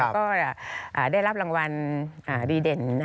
ก็ได้รับรางวัลดีเด่น